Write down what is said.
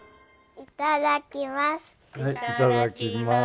いただきます。